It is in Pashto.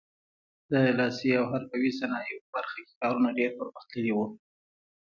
د لاسي او حرفوي صنایعو برخه کې کارونه ډېر پرمختللي وو.